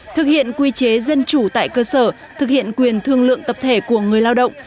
thực hiện quy chế dân chủ tại cơ sở thực hiện quyền thương lượng tập thể của người lao động